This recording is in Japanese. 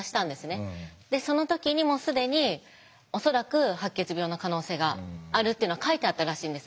でその時にもう既に恐らく白血病の可能性があるっていうのは書いてあったらしいんです。